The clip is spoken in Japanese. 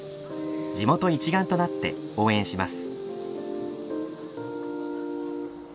地元一丸となって応援します。